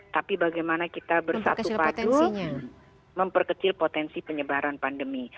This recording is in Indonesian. tapi bagaimana kita bersatu padu memperkecil potensi penyebaran pandemi